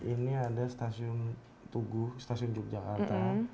ini ada stasiun tugu stasiun yogyakarta